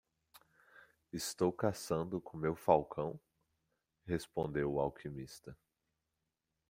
"Estou caçando com meu falcão?" respondeu o alquimista.